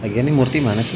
lagi lagi ini murti mana sih